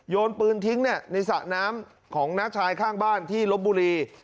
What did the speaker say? นปืนทิ้งในสระน้ำของน้าชายข้างบ้านที่ลบบุรี